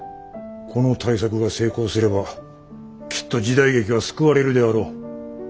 この大作が成功すればきっと時代劇は救われるであろう。